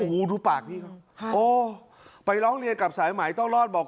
โอ้โหดูปากพี่เขาโอ้ไปร้องเรียนกับสายใหม่ต้องรอดบอก